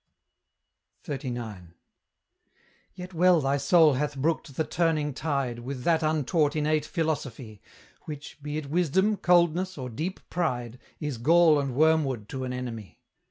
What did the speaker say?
XXXIX. Yet well thy soul hath brooked the turning tide With that untaught innate philosophy, Which, be it wisdom, coldness, or deep pride, Is gall and wormwood to an enemy.